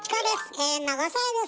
永遠の５さいです。